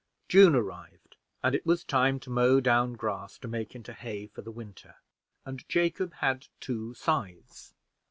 June arrived, and it was time to mow down grass to make into hay for the winter, and Jacob had two scythes.